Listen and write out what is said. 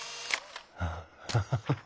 あハハハハ。